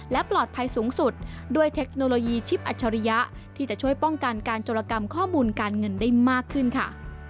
และปลอดภัยสูงสุดด้วยเทคโนโลยีชิปอัจฉริยะที่จะช่วยป้องกันการจรกรรมข้อมูลการเงินได้มากขึ้นค่ะ